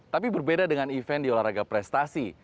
tapi berbeda dengan event di olahraga prestasi